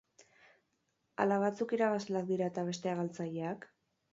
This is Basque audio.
Ala batzuk irabazleak dira eta besteak galtzaileak?